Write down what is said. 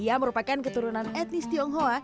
ia merupakan keturunan etnis tionghoa